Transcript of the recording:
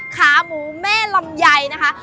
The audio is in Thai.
ขาหมูแม่ลำไยนะคะ